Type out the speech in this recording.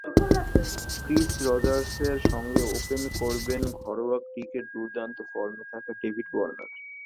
Chris রজার্সের সঙ্গে open করবেন ঘরোয়া ক্রিকেটে দুর্দান্ত ফর্মে থাকা ডেভিড ওয়ার্নার।